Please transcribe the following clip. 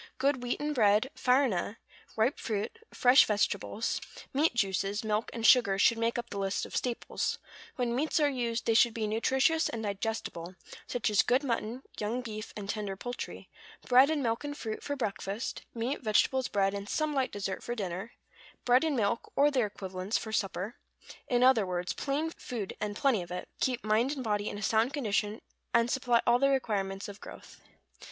Good wheaten bread, farina, ripe fruit, fresh vegetables, meat juices, milk, and sugar, should make up the list of staples; when meats are used they should be nutritious and digestible, such as good mutton, young beef, and tender poultry; bread and milk and fruit, for breakfast; meat, vegetables, bread and some light dessert, for dinner; bread and milk, or their equivalents, for supper; in other words, plain food and plenty of it, will keep mind and body in a sound condition, and supply all the requirements of growth.